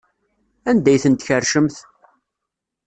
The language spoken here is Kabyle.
Anda ay tent-tkerrcemt?